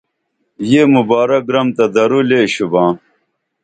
یہ مبارک گرم تہ درو لے شُباں